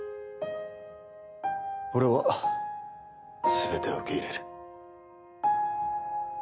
俺は全てを受け入れる。